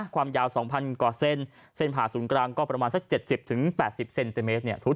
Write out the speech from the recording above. ความยาว๒๐๐กว่าเส้นเส้นผ่าศูนย์กลางก็ประมาณสัก๗๐๘๐เซนติเมตรเนี่ย